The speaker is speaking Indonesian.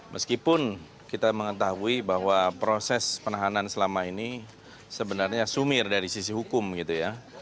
meskipun kita mengetahui bahwa proses penahanan selama ini sebenarnya sumir dari sisi hukum gitu ya